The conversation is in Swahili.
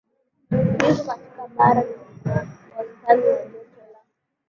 iko katika bara na una wastani wa joto la